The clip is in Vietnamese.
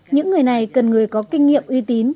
những người này cần người có kinh nghiệm uy tín